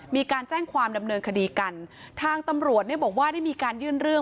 มีการแจ้งความดำเนินคดีกันทางตำรวจเนี่ยบอกว่าได้มีการยื่นเรื่อง